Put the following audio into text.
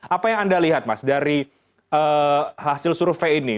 apa yang anda lihat mas dari hasil survei ini